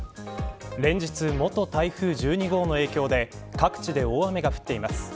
連日、元台風１２号の影響で各地で大雨が降っています。